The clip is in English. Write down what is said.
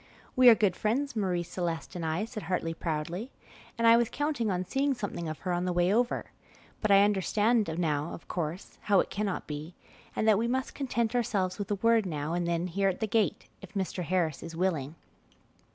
"We are good friends, Marie Celeste and I," said Hartley proudly, "and I was counting on seeing something of her on the way over, but I understand now, of course, how it cannot be, and that we must content ourselves with a word now and then here at the gate, if Mr. Harris is willing."